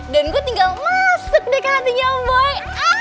dan gue tinggal masuk deh ke hatinya boy